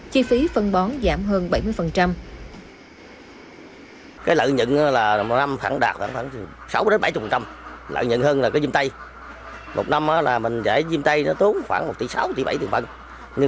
chi phí phân bón giảm hơn bảy mươi